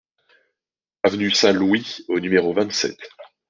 Avenue Saint-Louis au numéro vingt-sept